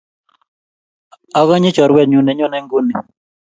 Akanyi chorwet nyun ne nyone nguni.